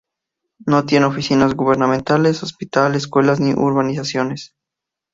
No tiene oficinas gubernamentales, hospital, escuelas ni urbanizaciones.